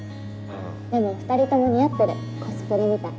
でも２人とも似合ってるコスプレみたい。